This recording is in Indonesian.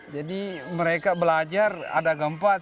jadi mereka belajar ada gempa tidak